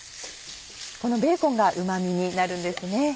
このベーコンがうま味になるんですね。